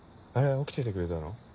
起きててくれたの？